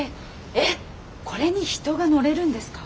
えっこれに人が乗れるんですか？